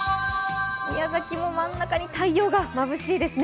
宮崎も真ん中に太陽がまぶしいですね。